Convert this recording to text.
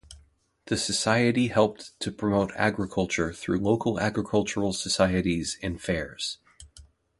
The society helped to promote agriculture through local agricultural societies and fairs.